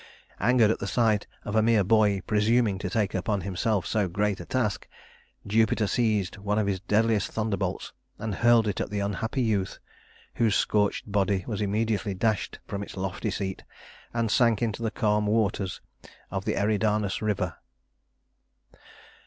Angered at the sight of a mere boy presuming to take upon himself so great a task, Jupiter seized one of his deadliest thunderbolts and hurled it at the unhappy youth, whose scorched body was immediately dashed from its lofty seat and sank into the calm waters of the Eridanus River.